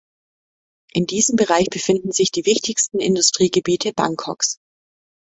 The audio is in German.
In diesem Bereich befinden sich die wichtigsten Industriegebiete Bangkoks.